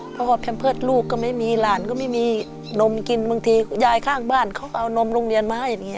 เพราะว่าแพมเพิร์ตลูกก็ไม่มีหลานก็ไม่มีนมกินบางทียายข้างบ้านเขาเอานมโรงเรียนมาให้อย่างนี้